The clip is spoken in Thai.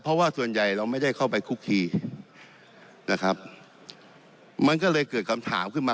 เพราะว่าส่วนใหญ่เราไม่ได้เข้าไปคุกทีนะครับมันก็เลยเกิดคำถามขึ้นมา